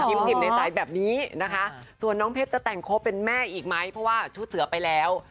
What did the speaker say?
อิ่มในสายแบบนี้นะคะส่วนน้องเพชรจะแต่งคบเป็นแม่อีกไหมเพราะว่าชุดเสือไปแล้ว